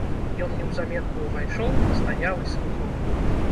Ён неўзаметку ўвайшоў, стаяў і слухаў.